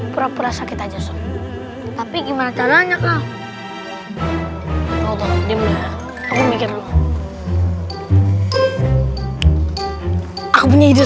pura pura sakit aja tapi gimana caranya kau aku mikir aku punya ide